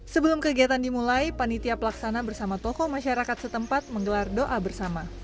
sebelum kegiatan dimulai panitia pelaksana bersama tokoh masyarakat setempat menggelar doa bersama